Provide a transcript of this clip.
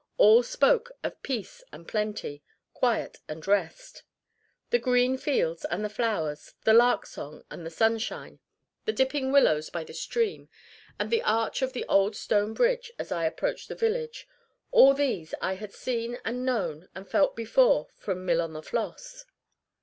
All spoke of peace and plenty, quiet and rest. The green fields and the flowers, the lark song and the sunshine, the dipping willows by the stream, and the arch of the old stone bridge as I approached the village all these I had seen and known and felt before from "Mill on the Floss."